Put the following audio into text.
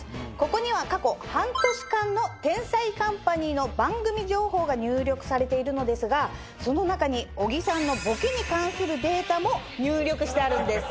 ここには過去半年間の『天才‼カンパニー』の番組情報が入力されているのですがその中に小木さんのボケに関するデータも入力してあるんです。